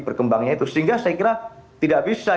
berkembangnya itu sehingga saya kira tidak bisa